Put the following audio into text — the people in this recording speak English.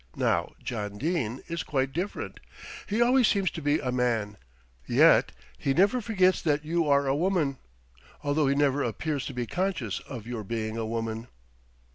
Now John Dene is quite different. He always seems to be a man; yet he never forgets that you are a woman, although he never appears to be conscious of your being a woman."